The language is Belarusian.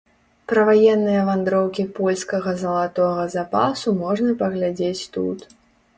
Пра ваенныя вандроўкі польскага залатога запасу можна паглядзець тут.